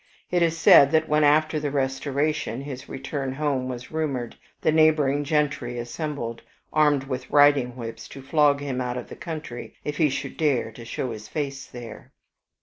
It is said that when after the Restoration his return home was rumored the neighboring gentry assembled, armed with riding whips, to flog him out of the country if he should dare to show his face there.